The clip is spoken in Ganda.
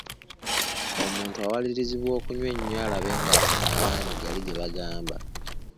Omuntu awalirizibwa okunywa ennyo alabe ng'afuna amaanyi gali ge bagamba.